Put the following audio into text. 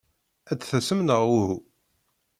Ad d-tasem neɣ uhu?